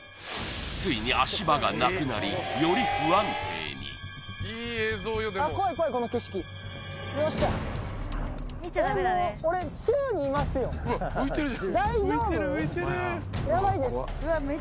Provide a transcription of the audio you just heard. ついに足場がなくなりより不安定によっしゃえっ